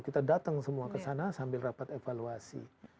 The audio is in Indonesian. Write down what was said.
kita datang semua ke sana sambil rapat evaluasi